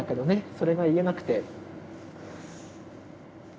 それが言えなくて。